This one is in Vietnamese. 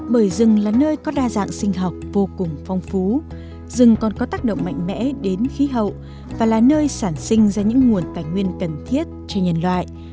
bởi rừng là nơi có đa dạng sinh học vô cùng phong phú rừng còn có tác động mạnh mẽ đến khí hậu và là nơi sản sinh ra những nguồn tài nguyên cần thiết cho nhân loại